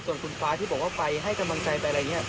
ส่วนคุณฟ้าที่บอกว่าไปให้กำลังใจไปอะไรอย่างนี้